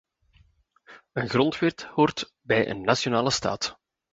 Een grondwet hoort bij een nationale staat.